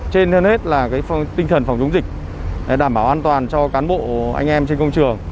trên hết là tinh thần phòng chống dịch đảm bảo an toàn cho cán bộ anh em trên công trường